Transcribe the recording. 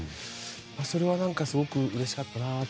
それはすごくうれしかったなと。